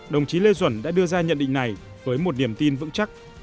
đồng chí lê duẩn đã đưa ra nhận định này với một niềm tin vững chắc